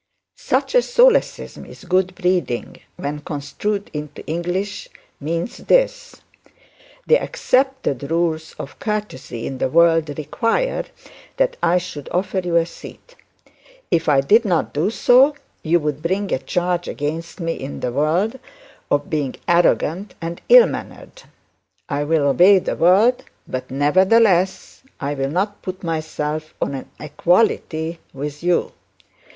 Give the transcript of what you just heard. Such a solecism in good breeding, when construed into English means this: "The accepted rule of courtesy in the world require that I should offer you a seat; if I did not do so, you would bring a charge against me in the world of being arrogant and ill mannered; I will obey the world; but, nevertheless, I will not put myself on an equality with you.